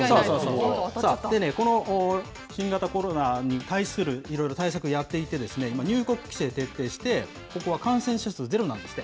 この新型コロナに対するいろいろ対策、やっていて、入国規制を徹底して、ここは感染者数ゼロなんですって。